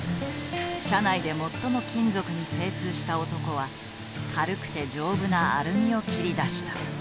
社内で最も金属に精通した男は軽くて丈夫なアルミを切り出した。